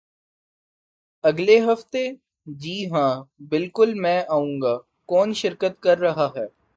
اگلے ہفتے؟ جی ہاں، بالکل میں آئوں گا. کون شرکت کر رہا ہے؟